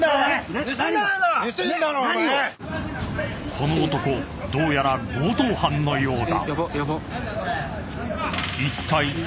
［この男どうやら強盗犯のようだ］